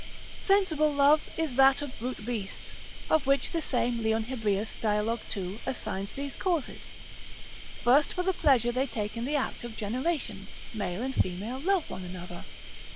Sensible love is that of brute beasts, of which the same Leon Hebreus dial. 2. assigns these causes. First for the pleasure they take in the act of generation, male and female love one another.